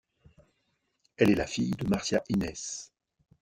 Elle est la fille de Marcia Hines.